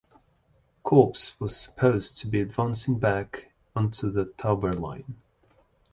Corps was supposed to be advancing back onto the Tauber line.